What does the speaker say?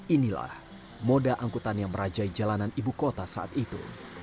inilah moda angkutan yang merajai jalanan ibu kota saat itu